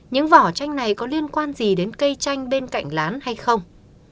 những vỏ chanh này có liên quan gì đến cây chanh bên cạnh lán hay không